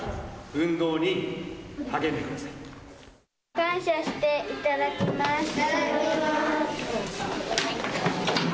感謝していただきます。